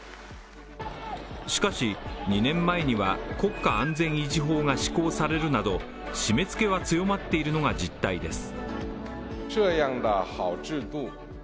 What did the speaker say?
しかし、２年前には国家安全維持法が施行されるなど締めつけは強まっているのが実態です。